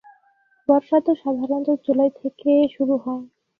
বর্ষা তো সাধারণত জুলাই থেকে শুরু হয়।